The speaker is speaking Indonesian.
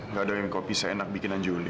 nggak ada yang kopi seenak bikinan juli